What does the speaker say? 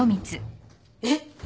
えっ！？